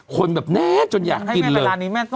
คนแบบแน่จนอยากกินเลย